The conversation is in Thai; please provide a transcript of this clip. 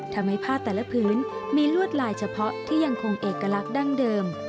ทำให้ผ้าแต่ละพื้นมีลวดลายเฉพาะที่ยังคงเอกลักษณ์ดั้งเดิม